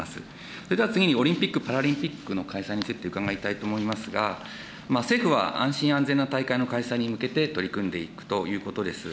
それでは次に、オリンピック・パラリンピックの開催について伺いたいと思いますが、政府は安心安全な大会の開催に向けて取り組んでいくということです。